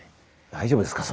大丈夫ですか？